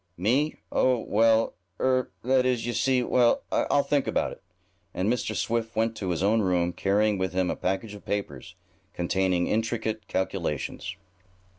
"Me? Oh, well er that is, you see; well, I'll think about it," and Mr. Swift went to his own room, carrying with him a package of papers, containing intricate calculations.